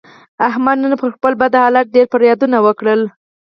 احمد نن پر خپل بد حالت ډېر فریادونه وکړل.